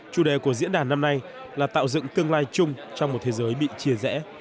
chủ đề của diễn đàn năm nay là tạo dựng tương lai chung trong một thế giới bị chia rẽ